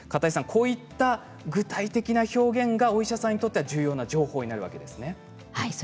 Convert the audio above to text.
こういった具体的な表現がお医者さんにとっては重要な情報なんですね。